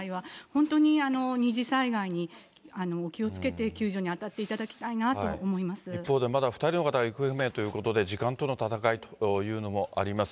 本当に二次災害にお気をつけて救助に当たっていただきたいなと思一方で、まだ２人の方が行方不明ということで、時間との闘いというのもあります。